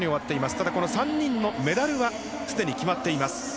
ただ、この３人のメダルはすでに決まっています。